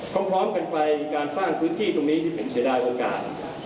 พร้อมกันไปในการสร้างพื้นที่ตรงนี้ที่ผมเสียดายโอกาส